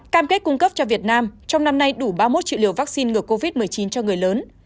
cam kết cung cấp cho việt nam trong năm nay đủ ba mươi một triệu liều vaccine ngừa covid một mươi chín cho người lớn